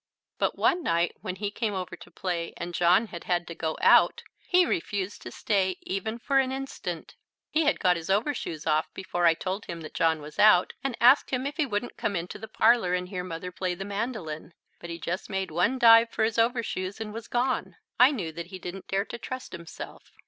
But one night, when he came over to play and John had had to go out, he refused to stay even for an instant. He had got his overshoes off before I told him that John was out, and asked him if he wouldn't come into the parlour and hear Mother play the mandoline, but he just made one dive for his overshoes and was gone. I knew that he didn't dare to trust himself.